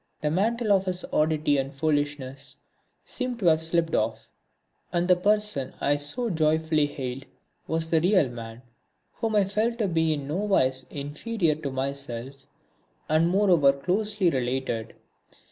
The mantle of his oddity and foolishness seemed to have slipped off, and the person I so joyfully hailed was the real man whom I felt to be in nowise inferior to myself, and moreover closely related.